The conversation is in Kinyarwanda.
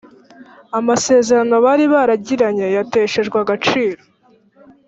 amasezerano bari baragiranye yateshejwe agaciro